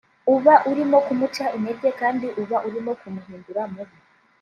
uba urimo kumuca intenge kandi uba urimo kumuhindura mubi